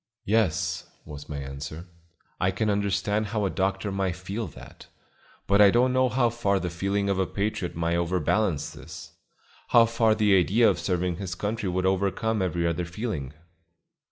"Yes," was my answer; "I can understand how a doctor might feel that; but I don't know how far the feeling of a patriot might overbalance this; how far the idea of serving his country would overcome every other feeling."